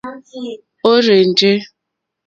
Ɔ̀rzɛ̀ndɛ́.